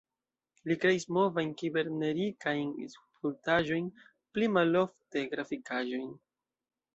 Li kreis movajn-kibernerikajn skulptaĵojn, pli malofte grafikaĵojn.